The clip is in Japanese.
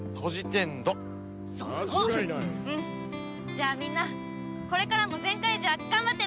じゃあみんなこれからもゼンカイジャー頑張ってね！